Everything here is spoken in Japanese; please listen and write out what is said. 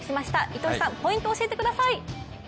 糸井さん、ポイントを教えてください。